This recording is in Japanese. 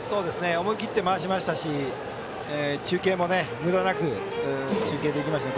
思い切って回しましたし中継もむだなく中継できました。